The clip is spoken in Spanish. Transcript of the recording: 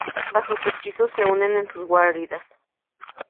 Bajo su hechizo se unen en sus guaridas.